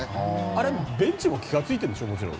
あれ、ベンチも気がついてるんでしょ？